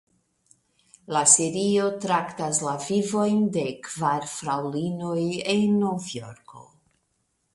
La serio traktas la vivojn de kvar fraŭlinoj en Novjorko.